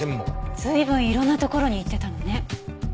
随分いろんなところに行ってたのね。